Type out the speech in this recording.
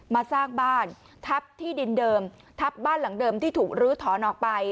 มาสร้างบ้านทับที่ดินเดิมทับบ้านหลังเดิมที่ถูกลื้อถอนออกไป